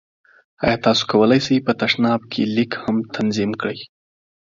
ایا تاسو کولی شئ په تشناب کې لیک هم تنظیم کړئ؟